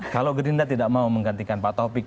kalau gerindra tidak mau menggantikan pak taufik